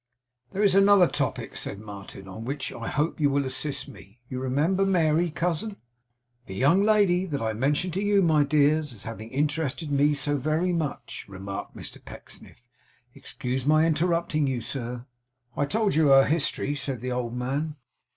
'There is another topic,' said Martin, 'on which I hope you will assist me. You remember Mary, cousin?' 'The young lady that I mentioned to you, my dears, as having interested me so very much,' remarked Mr Pecksniff. 'Excuse my interrupting you, sir.' 'I told you her history?' said the old man.